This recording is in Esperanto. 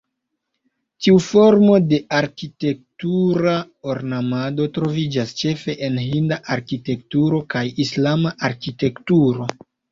Tiu formo de arkitektura ornamado troviĝas ĉefe en Hinda arkitekturo kaj Islama arkitekturo.